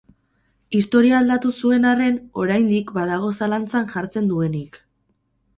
Historia aldatu zuen arren, oraindik badago zalantzan jartzen duenik.